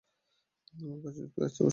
ওর কাছে যুক্তি আছে অবশ্য।